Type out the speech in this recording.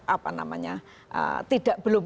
apa namanya tidak berkas itu